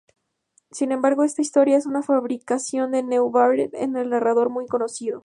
Sin embargo, esta historia es una fabricación de Neubauer, un narrador muy conocido.